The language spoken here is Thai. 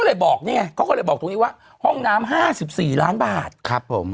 ก็เลยบอกนี่ไงเขาก็เลยบอกตรงนี้ว่าห้องน้ำห้าสิบสี่ล้านบาทครับผม